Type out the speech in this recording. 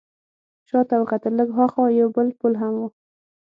شا ته وکتل، لږ ها خوا یو بل پل هم و.